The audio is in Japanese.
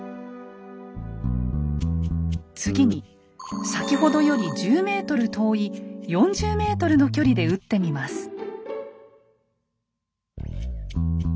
次に先ほどより１０ｍ遠い４０ｍの距離で撃ってみます。